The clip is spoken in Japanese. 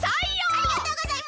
ありがとうございます！